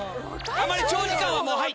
あんまり長時間はもうはい！